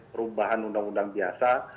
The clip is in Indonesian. perubahan undang undang biasa